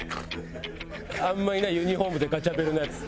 あんまりいないユニフォームでガチャベルのヤツ。